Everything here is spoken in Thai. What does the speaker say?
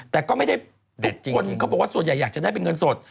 แต่ก็ไม่ได้ทุกคนเขาบอกว่าส่วนใหญ่อยากจะได้เป็นเงินสด